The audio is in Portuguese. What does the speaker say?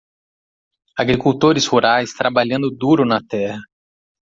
Agricultores rurais trabalhando duro na terra